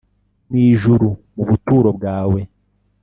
Mu ijuru mu buturo bwawe